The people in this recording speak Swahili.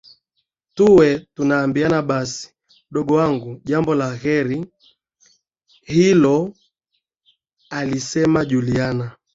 tuwe tunaambiana basi mdogo wangu jambo la kheri hiloalisema Juliana